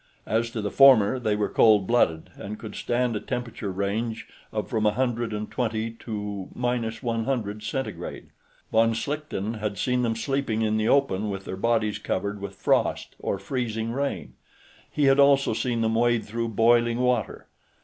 As to the former, they were cold blooded and could stand a temperature range of from a hundred and twenty to minus one hundred Centigrade. Von Schlichten had seen them sleeping in the open with their bodies covered with frost or freezing rain; he had also seen them wade through boiling water.